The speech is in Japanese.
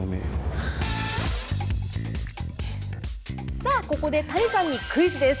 さあ、ここで谷さんにクイズです。